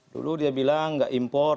dulu dia bilang nggak impor